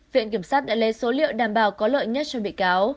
viện kiểm sát đã lấy số liệu đảm bảo có lợi nhất cho bị cáo